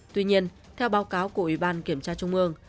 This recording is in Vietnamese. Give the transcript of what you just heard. tuy nhiên theo báo cáo của ủy ban kiểm tra trung ương